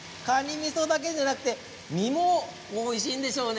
みそだけじゃなくて身もおいしいんでしょうね。